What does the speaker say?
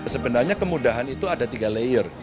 sebenarnya kemudahan itu ada tiga layer